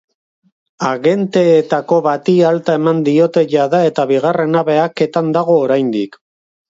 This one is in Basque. Agenteetako bati alta eman diote jada eta bigarrena behaketan dago oraindik.